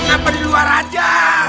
apa di luar aja